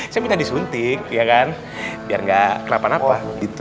saya minta disuntik ya kan biar gak kenapa napa